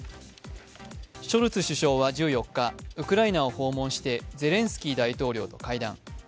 ショルツ首相は１４日、ウクライナを訪問しゼレンスキー大統領と会談。